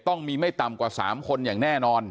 ต้องมีไม่ต่ำกว่า๓คนอย่างแน่นอน